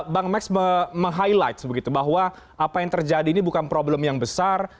bang max meng highlight bahwa apa yang terjadi ini bukan problem yang besar